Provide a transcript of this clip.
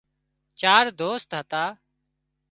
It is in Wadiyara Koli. چار دوست هتا